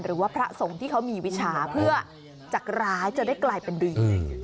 หรือว่าพระสงฆ์ที่เขามีวิชาเพื่อจากร้ายจะได้กลายเป็นดึงอืม